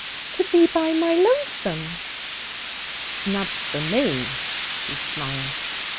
'To be by my lonesome.' 'Snub for me!' he smiled.